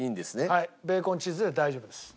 はいベーコンチーズで大丈夫です。